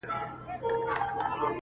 چي په ښار او په مالت کي څه تیریږي -